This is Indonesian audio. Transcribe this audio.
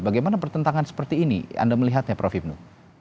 bagaimana pertentangan seperti ini anda melihatnya prof hipnu